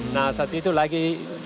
nah saat itu lagi